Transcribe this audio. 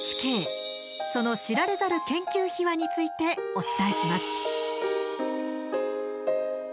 その知られざる研究秘話についてお伝えします。